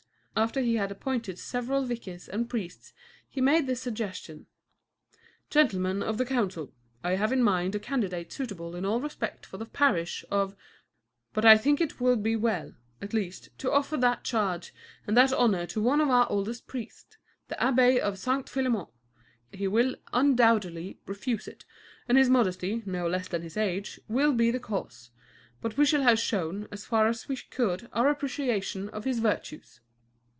After he had appointed several vicars and priests he made this suggestion: "Gentlemen of the council, I have in mind a candidate suitable in all respects for the parish of X ; but I think it would be well, at least, to offer that charge and that honor to one of our oldest priests, the abbé of St. Philémon. He will undoubtedly refuse it, and his modesty, no less than his age, will be the cause; but we shall have shown, as far as we could, our appreciation of his virtues."